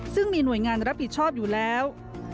ซึ่งมีหน่วยงานรับผิดชอบอยู่แล้ว